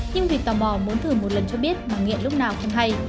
nhưng vịt tò mò muốn thử một lần cho biết mà nghiện lúc nào không hay